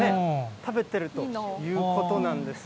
食べてるということなんです。